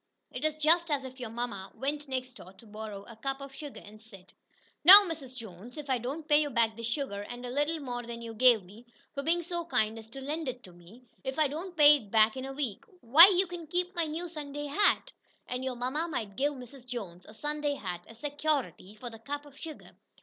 It is just as if your mamma went next door to borrow a cup of sugar, and said: "Now, Mrs. Jones, if I don't pay you back this sugar, and a little more than you gave me, for being so kind as to lend it to me if I don't pay it back in a week, why you can keep my new Sunday hat." And your mamma might give Mrs. Jones a Sunday hat as "security" for the cup of sugar.